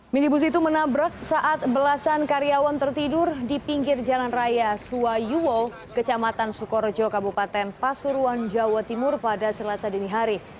minibus itu menabrak saat belasan karyawan tertidur di pinggir jalan raya suayuwo kecamatan sukorejo kabupaten pasuruan jawa timur pada selasa dini hari